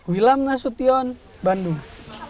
wilam nasution bandung